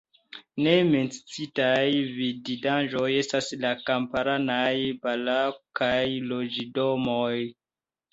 Ne menciitaj vidindaĵoj estas la kamparanaj barokaj loĝdomoj.